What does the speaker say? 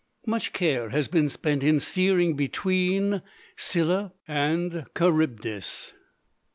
Much care has been spent in "steering between Scylla and Charybdis."